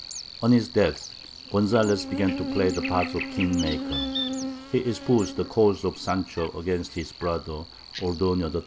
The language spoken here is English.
On his death, Gonzalez began to play the part of king maker. He espoused the cause of Sancho against his brother, Ordoño III.